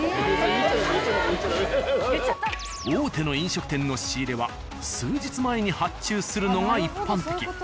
大手の飲食店の仕入れは数日前に発注するのが一般的。